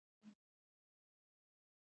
د نورو جمهوري او نورو پارلماني دولتونو پرخلاف.